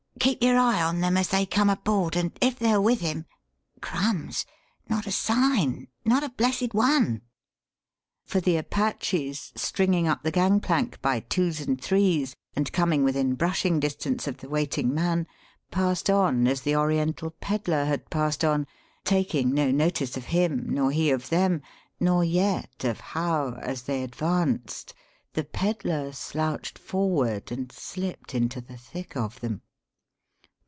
Keep your eye on them as they come aboard, and if they are with him Crumbs! Not a sign; not a blessed one!" For the Apaches, stringing up the gangplank by twos and threes and coming within brushing distance of the waiting man, passed on as the Oriental pedler had passed on, taking no notice of him, nor he of them, nor yet of how, as they advanced, the pedler slouched forward and slipped into the thick of them.